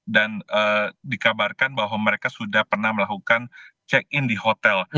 dan dikabarkan bahwa mereka sudah pernah melakukan check in di hotel